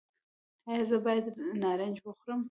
ایا زه باید نارنج وخورم؟